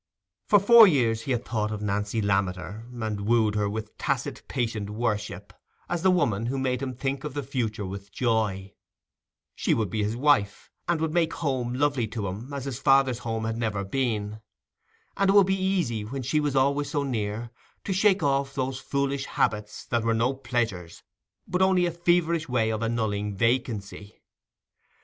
For four years he had thought of Nancy Lammeter, and wooed her with tacit patient worship, as the woman who made him think of the future with joy: she would be his wife, and would make home lovely to him, as his father's home had never been; and it would be easy, when she was always near, to shake off those foolish habits that were no pleasures, but only a feverish way of annulling vacancy.